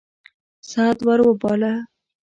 سعد ور وباله.